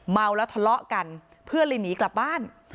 เมาแล้วทะเลาะกันเพื่อนเลยหนีกลับบ้าน